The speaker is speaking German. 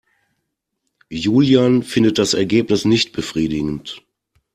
Julian findet das Ergebnis nicht befriedigend.